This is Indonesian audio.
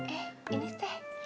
eh ini teh